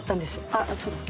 あっそうだ。